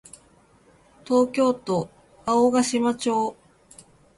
東京都青ヶ島村